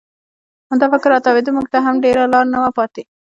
همدا فکر را تاوېده، موږ ته هم ډېره لاره نه وه پاتې.